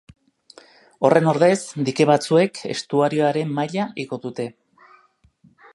Horren ordez, dike batzuek estuarioaren maila igo dute.